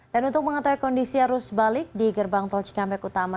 dan untuk mengetahui kondisi arus balik di gerbang tol cikampek utama